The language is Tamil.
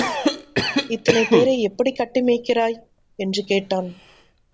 இத்தனை பேரை எப்படிக் கட்டி மேய்க்கிறாய்? என்று கேட்டான்.